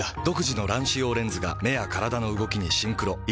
独自の乱視用レンズが目や体の動きにシンクロ。